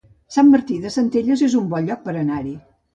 Sant Martí de Centelles es un bon lloc per anar-hi